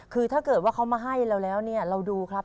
คือถ้าเกิดว่าเขามาให้เราแล้วเนี่ยเราดูครับ